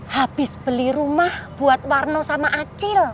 habis beli rumah buat warno sama acil